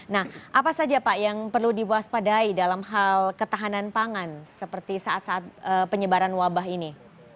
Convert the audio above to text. nah apa saja pak yang perlu diwaspadai dalam hal ketahanan pangan seperti saat saat penyebaran wabah ini